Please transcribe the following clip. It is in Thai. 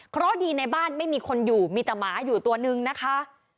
เพราะดีในบ้านไม่มีคนอยู่มีแต่หมาอยู่ตัวนึงนะคะ